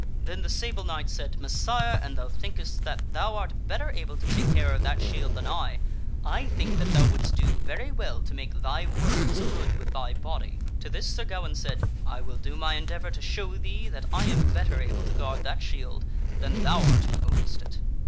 Then the Sable Knight said, " Messire, an thou thinkest that thou art better able to take care of that shield than I, I think that thou wouldst do very well to make thy words good with thy body." To this Sir Gawaine said, " I will do my endeavor to show thee that I am better able to guard that shield than thou art who ownest it."